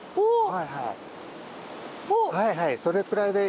はいはいそれくらいで。